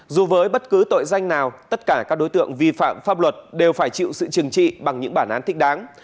dù với bất cứ tội danh nào tất cả các đối tượng vi phạm pháp luật đều phải chịu sự trừng trị bằng những bản án thích đáng